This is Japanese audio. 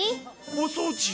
おそうじ？